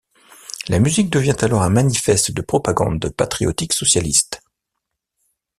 La musique devint alors un manifeste de propagande patriotique socialiste.